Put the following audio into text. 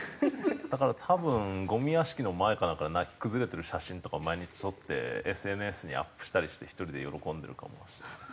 だから多分ゴミ屋敷の前かなんかで泣き崩れてる写真とか毎日撮ってＳＮＳにアップしたりして一人で喜んでるかもしれない。